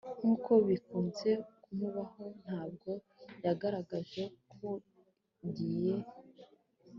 nkuko bikunze kumubaho, ntabwo yagaragaye ku gihe